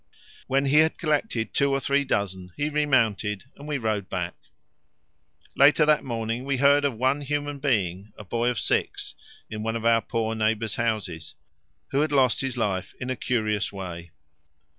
When he had collected two or three dozen he remounted and we rode back. Later that morning we heard of one human being, a boy of six, in one of our poor neighbours' houses, who had lost his life in a curious way.